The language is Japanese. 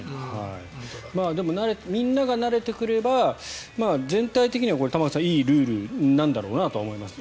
でもみんなが慣れてくれば全体的にはこれ、玉川さんいいルールなんだろうなとは思います。